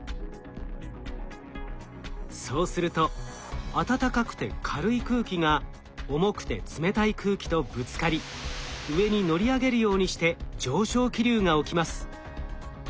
そうすると暖かくて軽い空気が重くて冷たい空気とぶつかり上に乗り上げるようにして上昇気流が起きます。